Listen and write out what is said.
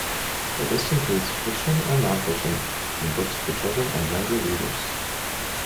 The list includes fiction and non-fiction, and books for children and younger readers.